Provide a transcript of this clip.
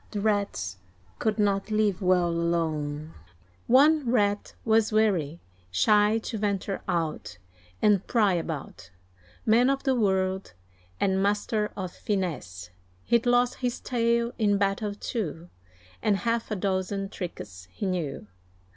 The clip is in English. The Rats could not leave well alone; One Rat was wary, shy to venture out, And pry about Man of the world, and master of finesse, He'd lost his tail in battle, too, And half a dozen tricks he knew.